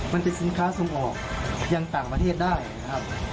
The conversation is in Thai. มันเป็นสินค้าส่งออกยังต่างประเทศได้นะครับ